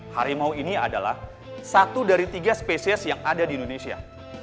harimau ini adalah satu dari tiga spesies yang ada di indonesia